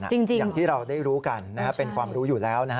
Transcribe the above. อย่างที่เราได้รู้กันเป็นความรู้อยู่แล้วนะฮะ